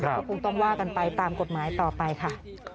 ก็คงต้องว่ากันไปตามกฎหมายต่อไปค่ะ